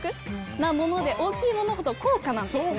なもので大きいものほど高価なんですね